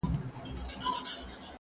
پېړۍ واوښتې قرنونه دي تېریږي